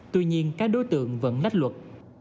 tuy nhiên các đối tượng vẫn lách luật